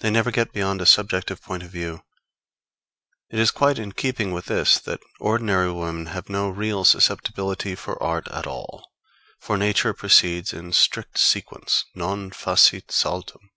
They never get beyond a subjective point of view. It is quite in keeping with this that ordinary women have no real susceptibility for art at all; for Nature proceeds in strict sequence non facit saltum.